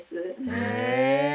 へえ！